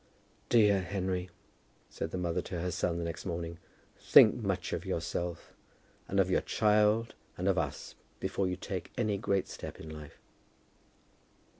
"Dear Henry," said the mother to her son the next morning; "think much of yourself, and of your child, and of us, before you take any great step in life."